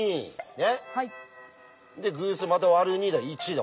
ねっ。で偶数また割る２だ１だ。